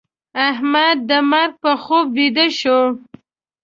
احمد د مرګ په خوب ويده شو.